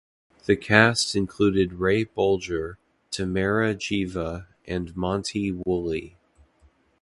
The cast included Ray Bolger, Tamara Geva, and Monty Woolley.